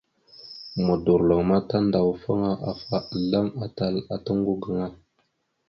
Modorloŋ ma tandawafaŋ afa azlam atal ata oŋgo gaŋa.